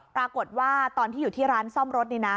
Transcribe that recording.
ตอนที่อยู่ที่ร้านซ่อมรถนี่นะ